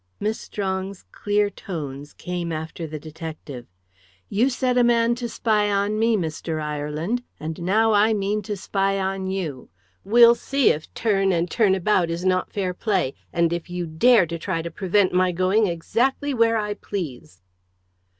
Miss Strong's clear tones came after the detective. "You set a man to spy on me, Mr. Ireland, and now I mean to spy on you. We'll see if turn and turn about is not fair play, and if you dare to try to prevent my going exactly where I please."